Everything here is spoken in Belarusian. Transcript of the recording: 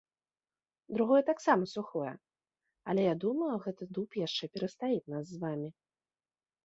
Другое таксама сухое, але я думаю, гэты дуб яшчэ перастаіць нас з вамі.